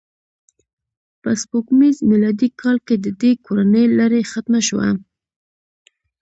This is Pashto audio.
په سپوږمیز میلادي کال کې د دې کورنۍ لړۍ ختمه شوه.